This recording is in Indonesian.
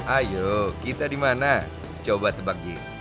ayo kita dimana coba tebak gitu